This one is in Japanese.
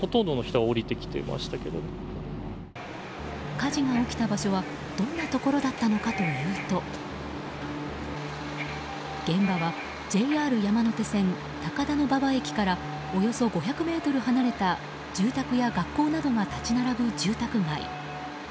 火事が起きた場所はどんなところだったのかというと現場はＪＲ山手線高田馬場駅からおよそ５００ｍ離れた住宅や学校などが立ち並ぶ住宅街。